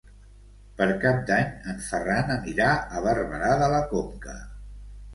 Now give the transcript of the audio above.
Per Cap d'Any en Ferran anirà a Barberà de la Conca.